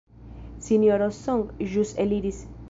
Sinjoro Song ĵus eliris.